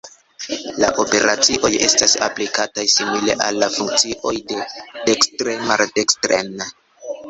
La operacioj estas aplikataj simile al funkcioj de dekstre maldekstren.